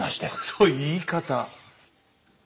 その言い方。